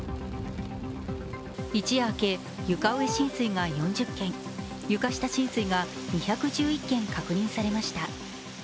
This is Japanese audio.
一夜明け、床上浸水が４０軒、床下浸水が２１１軒確認されました。